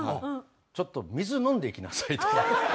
ちょっと水飲んでいきなさいと。